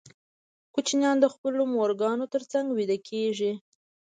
کوچنیان د خپلو مورګانو تر څنګ ویده کېږي.